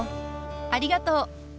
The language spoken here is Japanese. ありがとう。